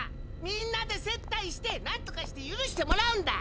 みんなで接待してなんとかして許してもらうんだ。